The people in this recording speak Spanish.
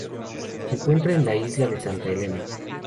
Se encuentra en la Isla de Santa Elena.